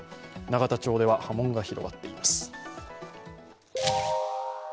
永田町では波紋が広がっています。